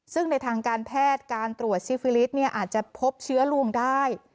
ซึ่งในทางการแพทย์การตรวจซิฟิลิสอาจจะพบเชื้อรวมได้